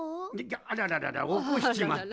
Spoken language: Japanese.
あららららおこしちまったな。